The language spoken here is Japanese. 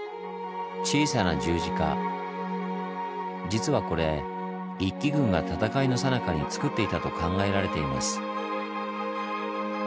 実はこれ一揆軍が戦いのさなかにつくっていたと考えられています。